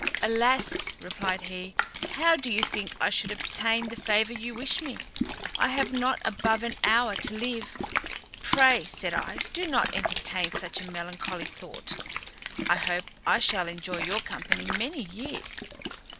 "Alas!" replied he, "how do you think I should obtain the favour you wish me? I have not above an hour to live." "Pray," said I, "do not entertain such a melancholy thought; I hope I shall enjoy your company many years."